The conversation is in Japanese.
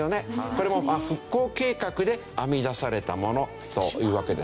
これも復興計画で編み出されたものというわけですよね。